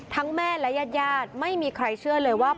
แม่และญาติญาติไม่มีใครเชื่อเลยว่า